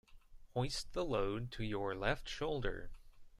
Hoist the load to your left shoulder.